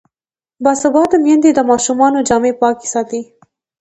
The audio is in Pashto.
باسواده میندې د ماشومانو جامې پاکې ساتي.